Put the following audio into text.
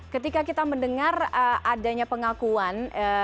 ketika kita mendengar adanya pengakuan